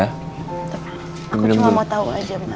aku cuma mau tau aja mama